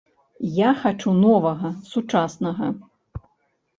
Я хачу новага, сучаснага.